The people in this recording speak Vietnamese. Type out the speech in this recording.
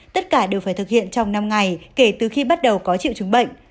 tất cả đều phải thực hiện trong năm ngày kể từ khi bắt đầu có triệu chứng bệnh